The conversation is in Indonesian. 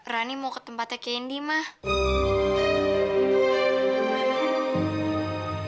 rani mau ke tempatnya kendi mah